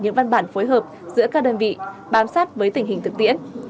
những văn bản phối hợp giữa các đơn vị bám sát với tình hình thực tiễn